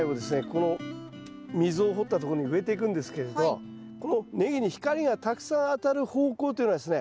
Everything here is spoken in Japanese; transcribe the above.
この溝を掘ったところに植えていくんですけれどこのネギに光がたくさん当たる方向というのはですね